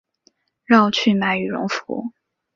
绕去买羽绒衣